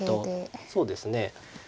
そうですね。